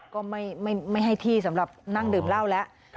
ก็ไม่ให้ที่สำหรับนั่งดื่มเหล้าแล้ว